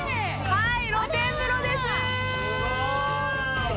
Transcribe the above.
はい。